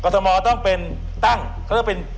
ทมต้องเป็นตั้งเขาเรียกว่าเป็น